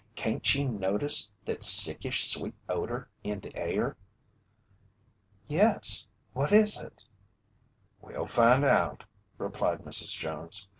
"Cain't ye notice thet sickish, sweet odor in the air?" "Yes, what is it?" "We'll find out," replied Mrs. Jones.